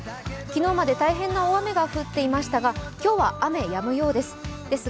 昨日まで大変な大雨が降っていましたが今日は雨、やむようです。